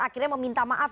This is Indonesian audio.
akhirnya meminta maaf